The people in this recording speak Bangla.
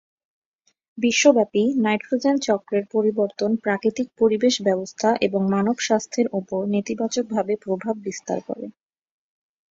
বিশ্বব্যাপী নাইট্রোজেন চক্রের পরিবর্তন প্রাকৃতিক পরিবেশ ব্যবস্থা এবং মানব স্বাস্থ্যের ওপর নেতিবাচকভাবে প্রভাব বিস্তার করে।